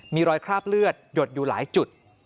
มีรอยคราบเลือดหยดอยู่หลายจุด